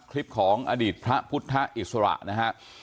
คลิปของอดีตพระพุทธอิสระนะฮะ